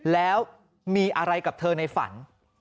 แล้วมีอะไรกับเธอในฝัน